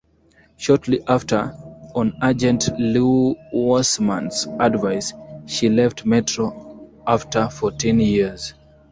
Shortly after, on agent Lew Wasserman's advice, she left Metro after fourteen years.